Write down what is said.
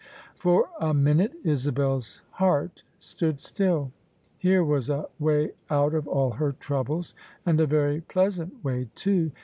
For a minute Isabel's heart stood still. Here was a way out of all her troubles, and a very pleasant way too.